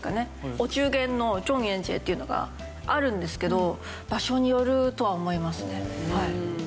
お中元の中元節っていうのがあるんですけど場所によるとは思いますね。